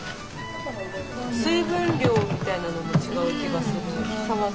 水分量みたいなのも違う気がする。